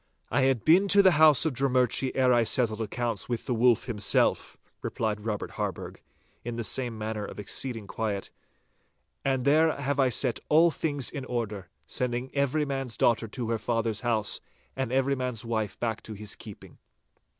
'I had been to the house of Drummurchie ere I settled accounts with the Wolf himself,' replied Robert Harburgh, in the same manner of exceeding quiet, 'and there have I set all things in order, sending every man's daughter to her father's house and every man's wife back to his keeping.